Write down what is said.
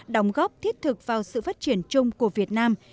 đóng góp thiết thực vào sự phát triển chung của việt nam